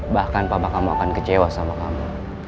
bahkan papa kamu akan kecewa sama kamu